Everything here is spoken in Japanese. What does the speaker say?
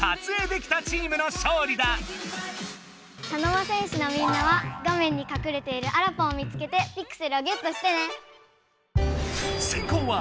茶の間戦士のみんなは画面にかくれているあらぽんを見つけてピクセルをゲットしてね！